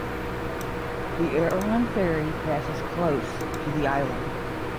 The Arran ferry passes close to the island.